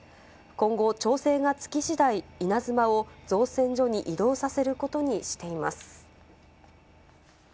今後、調整がつきしだい、いなづまを造船所に移動させることにしています。